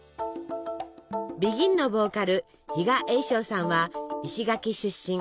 ＢＥＧＩＮのボーカル比嘉栄昇さんは石垣出身。